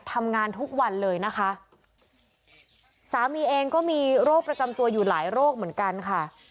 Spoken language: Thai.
ทำงานทุกวันเลยนะคะสามีเองก็มีโรคประจำตัวอยู่หลายโรคเหมือนกันค่ะ